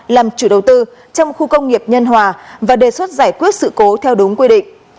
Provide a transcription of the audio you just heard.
làm chủ đầu tư trong khu công nghiệp nhân hòa và đề xuất giải quyết sự cố theo đúng quy định